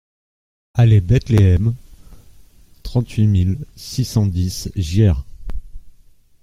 Allée de Bethleem, trente-huit mille six cent dix Gières